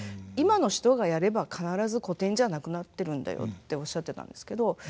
「今の人がやれば必ず古典じゃなくなっているんだよ」っておっしゃってたんですけど。